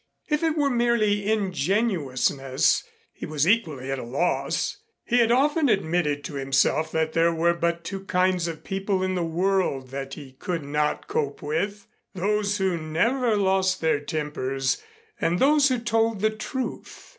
If it were merely ingenuousness, he was equally at a loss. He had often admitted to himself that there were but two kinds of people in the world that he could not cope with those who never lost their tempers and those who told the truth.